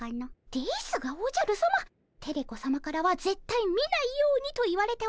ですがおじゃるさまテレ子さまからはぜったい見ないようにと言われておりますが。